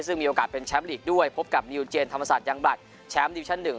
ซึ่งมีโอกาสเป็นแชมป์ลีกด้วยพบกับนิวเจนธรรมศาสตร์ยังบลัดแชมป์ดิวิชั่น๑